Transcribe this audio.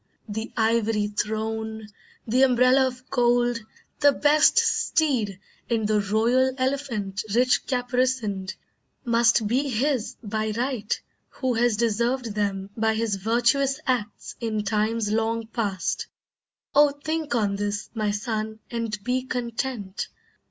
The ivory throne, the umbrella of gold, The best steed, and the royal elephant Rich caparisoned, must be his by right Who has deserved them by his virtuous acts In times long past. Oh think on this, my son, And be content.